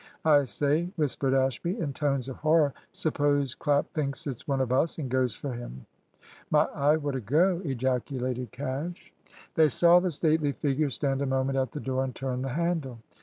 "I say," whispered Ashby, in tones of horror, "suppose Clap thinks it's one of us, and goes for him!" "My eye, what a go!" ejaculated Cash. They saw the stately figure stand a moment at the door and turn the handle.